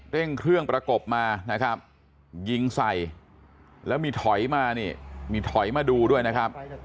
เร่งเครื่องประกบมานะครับยิงใส่แล้วมีถอยมานี่มีถอยมาดูด้วยนะครับ